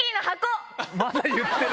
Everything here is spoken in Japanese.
まだ言ってる！